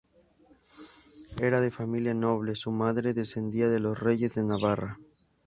Era de familia noble; su madre descendía de los reyes de Navarra.